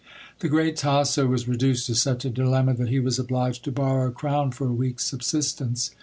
The great Tasso was reduced to such a dilemma that he was obliged to borrow a crown for a week's subsistence.